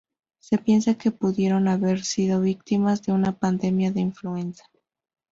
Se piensa que pudieron haber sido víctimas de una pandemia de influenza.